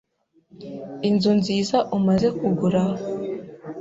inzu nziza umaze kugura,